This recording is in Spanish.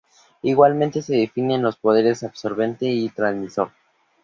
Igualmente se definen los poderes absorbente y transmisor.